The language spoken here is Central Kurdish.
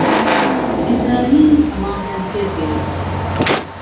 ئیزراییل به ماڵیان فێر بێ